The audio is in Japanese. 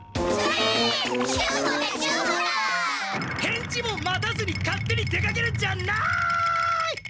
返事も待たずに勝手に出かけるんじゃない！